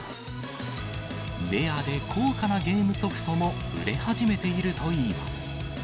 レアで高価なゲームソフトも売れ始めているといいます。